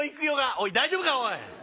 「おい大丈夫かおい。